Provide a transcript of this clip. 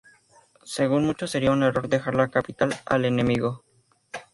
Según muchos, sería un error dejar la capital al enemigo.